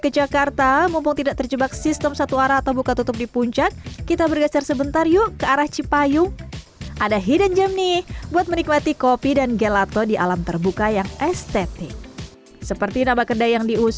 jangan lupa like share dan subscribe ya